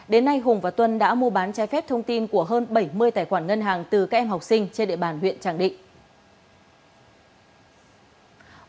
đến nay hùng và tuân đã mua bán trái phép thông tin của hơn bảy mươi tài khoản ngân hàng từ các em học sinh trên địa bàn huyện tràng định